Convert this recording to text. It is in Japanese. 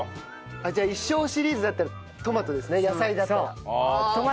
じゃあ一生シリーズだったらトマトですね野菜だったら。